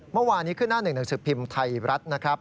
เมื่อวานนี้ขึ้นหน้าหนึ่งหนังสือพิมพ์ไทยรัฐนะครับ